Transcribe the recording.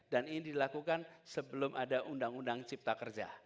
ini dilakukan sebelum ada undang undang cipta kerja